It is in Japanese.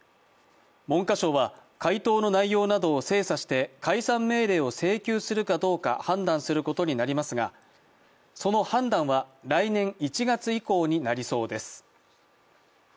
文科省は回答の内容などを精査して解散命令を請求するかどうか判断することになりますがその判断は来年１月以降になりそうです。